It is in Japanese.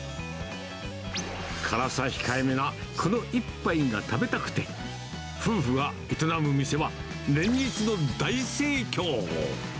辛さ控えめなこの１杯が食べたくて、夫婦が営む店は、連日の大盛況。